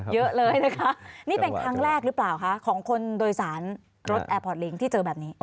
เยอะเลยนะคะนี่เป็นครั้งแรกหรือเปล่าคะของคนโดยสารรถแอร์พอร์ตลิงค์ที่เจอแบบนี้